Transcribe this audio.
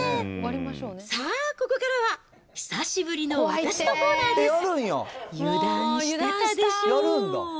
さあ、ここからは久しぶりの私のコーナーです。